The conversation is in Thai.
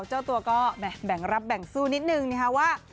เจ้าตัวก็แบ่งรับแบ่งสู้นิดนึงนะคะว่า